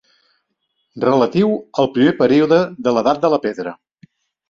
Relatiu al primer període de l'edat de la pedra.